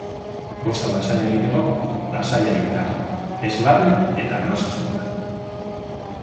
Prosa lasaia egiteko, lasai ari behar, ez larri eta arnasestuka.